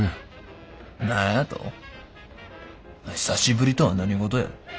久しぶりとは何事や。